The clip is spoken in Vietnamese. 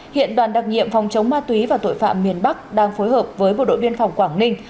hiện đoàn đặc nhiệm phòng chống ma túy và tội phạm miền bắc đang phối hợp với bộ đội biên phòng quảng ninh